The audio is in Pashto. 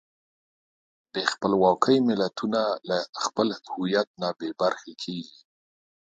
بې خپلواکۍ ملتونه له خپل هویت نه بېبرخې کېږي.